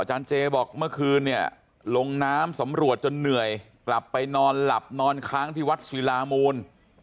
เจบอกเมื่อคืนเนี่ยลงน้ำสำรวจจนเหนื่อยกลับไปนอนหลับนอนค้างที่วัดศิลามูล